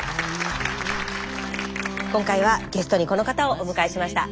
今回はゲストにこの方をお迎えしました。